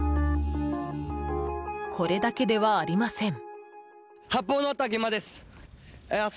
これだけではありません。